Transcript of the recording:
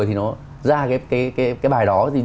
thì nó ra cái bài đó